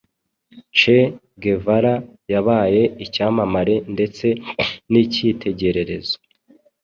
che guevara yabaye icyamamare ndetse n’icyitegererezo